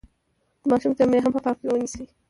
د ماشوم جامې هم په پام کې ونیسئ.